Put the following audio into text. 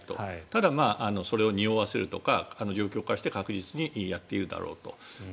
ただ、それをにおわせるとか状況からして確実にやっているだろうと。